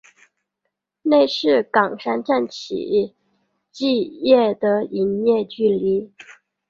内是冈山站起计的营业距离。